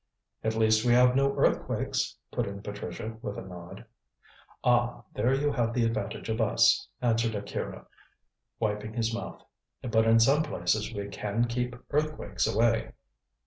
"At least, we have no earthquakes," put in Patricia with a nod. "Ah, there you have the advantage of us," answered Akira, wiping his mouth; "but in some places we can keep earthquakes away."